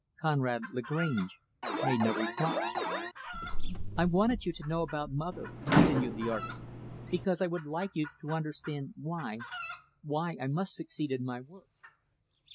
Conrad Lagrange made no reply. "I wanted you to know about mother," continued the artist, "because I would like you to understand why why I must succeed in my work."